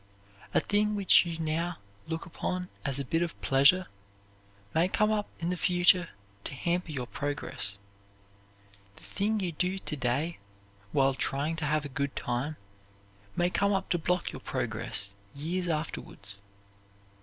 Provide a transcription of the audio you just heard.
A thing which you now look upon as a bit of pleasure may come up in the future to hamper your progress. The thing you do to day while trying to have a good time may come up to block your progress years afterwards.